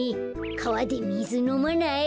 かわでみずのまない？